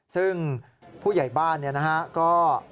ซึ่งผู้ใหญ่บ้านเนี่ยนะฮะก็